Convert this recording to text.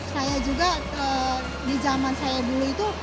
saya juga di zaman saya dulu itu